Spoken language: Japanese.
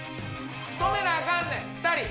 止めなあかんで、２人。